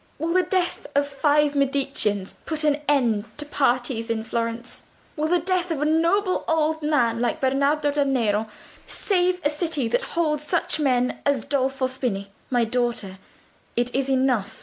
Will the death of five Mediceans put an end to parties in Florence? Will the death of a noble old man like Bernardo del Nero save a city that holds such men as Dolfo Spini?" "My daughter, it is enough.